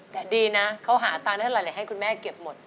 แต่ดีนะเขาหาตังค์ได้เท่าไหร่ให้คุณแม่เก็บหมด